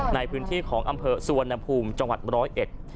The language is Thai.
ในพื้นที่ของอำเภอสุวรรณภูมิจังหวัดร้อยเอ็ด